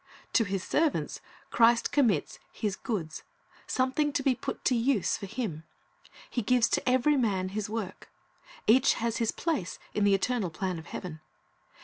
To His servants Christ commits "His goods," — some thing to be put to use for Him. He gives "to every man his work." Each has his place in the eternal plan of heaven.